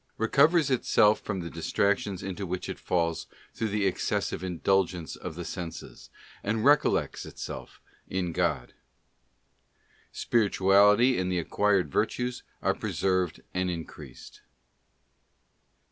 recovers itself from the distractions into which it falls through the excessive indulgence of the senses, and recollects itself in God. Spirituality and the acquired virtues are «preserved and increased.